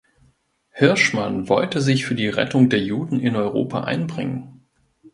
Hirschmann wollte sich für die Rettung der Juden in Europa einbringen.